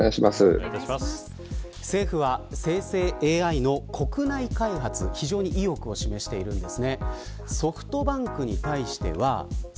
政府は生成ＡＩの国内開発非常に意欲を示しているんです。